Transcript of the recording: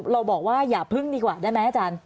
เราบอกว่าอย่าพึ่งดีกว่าได้ไหมอาจารย์